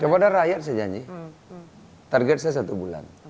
coba ada rakyat saya janji target saya satu bulan